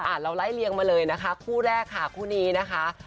เราไล่เลียงมาเลยนะคะคู่แรกค่ะคู่นี้นะคะ